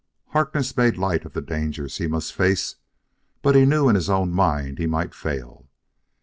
Harkness made light of the dangers he must face, but he knew in his own mind he might fail.